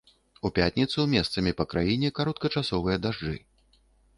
У пятніцу месцамі па краіне кароткачасовыя дажджы.